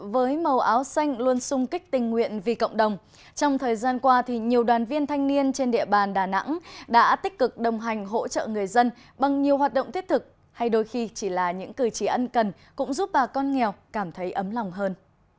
với màu áo xanh luôn sung kích tình nguyện vì cộng đồng trong thời gian qua thì nhiều đoàn viên thanh niên trên địa bàn đà nẵng đã tích cực đồng hành hỗ trợ người dân bằng nhiều hoạt động thiết thực hay đôi khi chỉ là những cử chỉ ân cần cũng giúp bà con nghèo cảm thấy ấm lòng hơn